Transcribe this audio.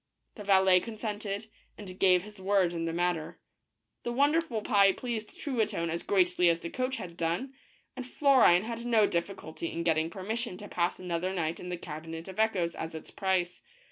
The valet consented, and gave his word in the matter. The wonderful pie pleased Truitonne as greatly as the coach had done, and Florine had no difficulty in getting permission to pass another night in the Cabinet of Echoes as its price.